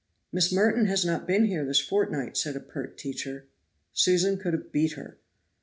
"Miss Merton has not been here this fortnight," said a pert teacher. Susan could have beat her.